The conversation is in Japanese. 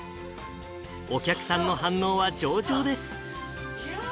お客さんの反応は上々です。